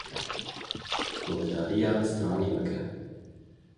Guhdarîya sitranê bike.